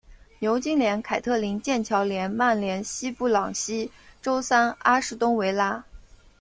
牛津联凯特灵剑桥联曼联西布朗锡周三阿士东维拉